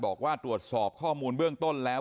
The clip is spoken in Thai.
บอกว่าตรวจสอบข้อมูลเบื้องต้นแล้ว